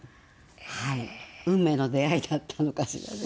運命の出会いだったのかしらね。